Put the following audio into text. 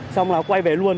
xong là quay về luôn